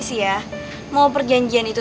sih ya mau perjanjian itu